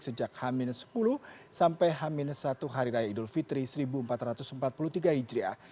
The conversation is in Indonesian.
sejak h sepuluh sampai h satu hari raya idul fitri seribu empat ratus empat puluh tiga hijriah